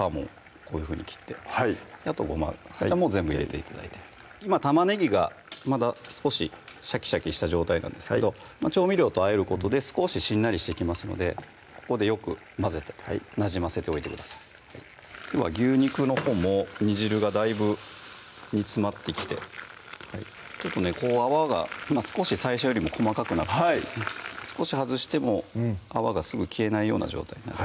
こういうふうに切ってあとごまそちらも全部入れて頂いて今玉ねぎがまだ少しシャキシャキした状態なんですが調味料とあえることで少ししんなりしてきますのでここでよく混ぜてなじませておいてくださいでは牛肉のほうも煮汁がだいぶ煮詰まってきてちょっとねこう泡が今少し最初よりも細かくなって少し外しても泡がすぐ消えないような状態